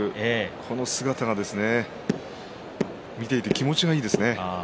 この姿が見ていて気持ちがいいですね。